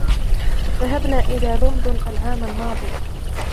ذهبنا إلى لندن العام الماضي.